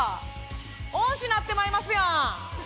恩師なってまいますやん。